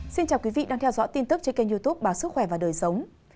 xin chào quý vị đang theo dõi tin tức trên kênh youtube báo sức khỏe và đời sống